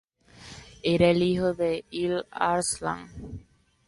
Era el hijo de Il-Arslan.